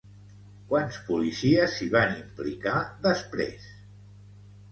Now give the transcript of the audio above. Quants policies s'hi van implicar després?